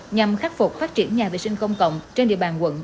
nhằm khắc phục phát triển nhà vệ sinh công cộng trên địa bàn quận